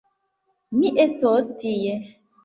Mi estos tie.